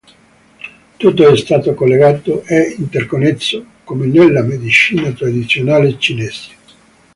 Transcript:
Tutto è stato collegato e interconnesso, come nella medicina tradizionale cinese.